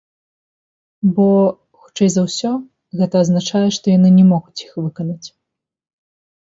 Бо, хутчэй за ўсё, гэта азначае, што яны не могуць іх выканаць.